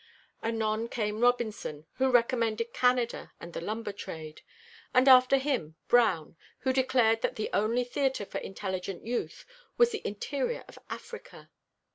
Anon came Robinson, who recommended Canada and the lumber trade; and after him Brown, who declared that the only theatre for intelligent youth was the interior of Africa.